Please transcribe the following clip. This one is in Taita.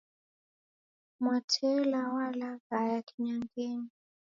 Mwatela walaghaya kinyangenyi.